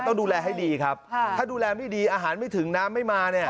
ต้องดูแลให้ดีครับถ้าดูแลไม่ดีอาหารไม่ถึงน้ำไม่มาเนี่ย